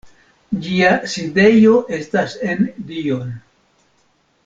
Ĝia sidejo estas en Dijon.